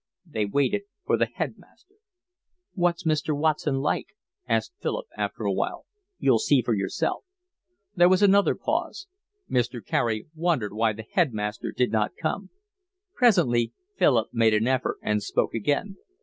They waited for the headmaster. "What's Mr. Watson like?" asked Philip, after a while. "You'll see for yourself." There was another pause. Mr. Carey wondered why the headmaster did not come. Presently Philip made an effort and spoke again.